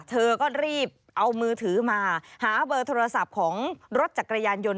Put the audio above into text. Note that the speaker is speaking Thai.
เธอก็รีบเอามือถือมาหาเบอร์โทรศัพท์ของรถจักรยานยนต์